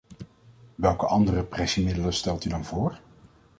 Welke andere pressiemiddelen stelt u dan voor?